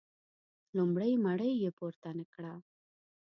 لومړۍ مړۍ یې پورته نه کړه.